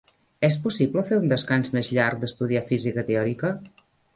És possible fer un descans més llarg d'estudiar física teòrica?